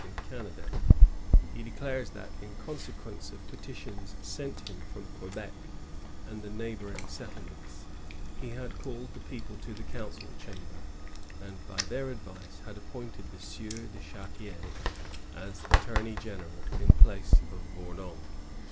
[Km in Canada, he declares that, in consequence of peti tions sent him from Quebec and the neighboring settlements, he had called the people to the council chamber, and by their advice had appointed the Sieur de Chartier as attorney general in place of Bourdon.